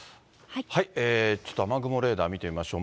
ちょっと雨雲レーダー見てみましょう。